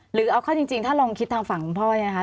หรือเอาเข้าจริงถ้าลองคิดทางฝั่งคุณพ่อเนี่ยนะคะ